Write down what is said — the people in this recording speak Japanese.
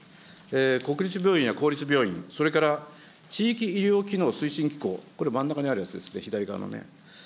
国立病院や公立病院、それから地域医療機能推進機構、これ、真ん中にあるやつですね、左側のね。